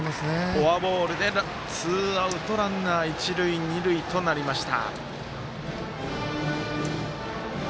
フォアボールでツーアウトランナー、一塁二塁となりました。